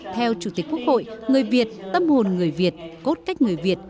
theo chủ tịch quốc hội người việt tâm hồn người việt cốt cách người việt